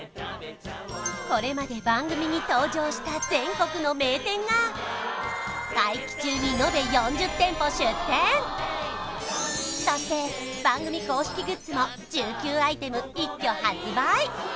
これまで番組に登場した全国の名店がそして番組公式グッズも１９アイテム一挙発売